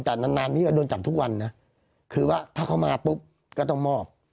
แต่นานนานนี้ก็โดนจับทุกวันนะคือว่าถ้าเขามาปุ๊บก็ต้องมอบ